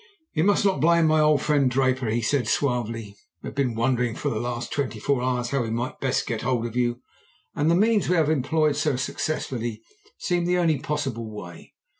"'You must not blame my old friend Draper,' he said suavely. 'We have been wondering for the last twenty four hours how we might best get hold of you, and the means we have employed so successfully seemed the only possible way.